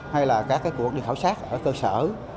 hay là các cuộc đi khảo sát ở cơ sở